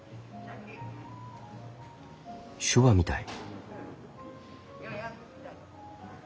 手話みたい。